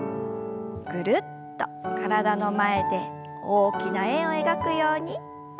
ぐるっと体の前で大きな円を描くように。